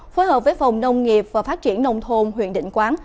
phối hợp với phòng nông nghiệp và phát triển nông thôn huyện định quán